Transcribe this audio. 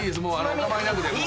お構いなく。